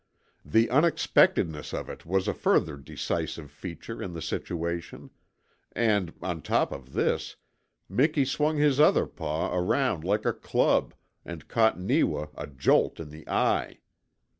The unexpectedness of it was a further decisive feature in the situation; and, on top of this, Miki swung his other paw around like a club and caught Neewa a jolt in the eye.